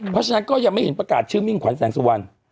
เพราะฉะนั้นก็ยังไม่เห็นประกาศชื่อมิ่งขวัญแสงสุวรรณ